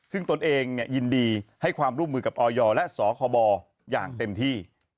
ซึ่งตนเองยินดีให้ความร่วมมือกับออยและสคบอย่างเต็มที่